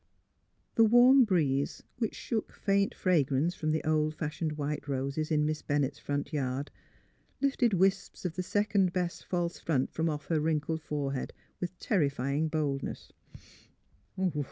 The warm breeze, which shook faint fragrance from the old fashioned white roses in Miss Bennett's front yard, lifted wisps of the second best false front from off her wrinkled fore head with terrifying boldness.